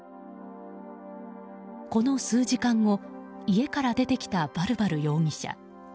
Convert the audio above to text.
この数時間後、家から出てきたバルバル容疑者。